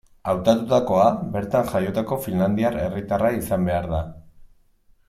Hautatutakoa bertan jaiotako finlandiar herritarra izan behar da.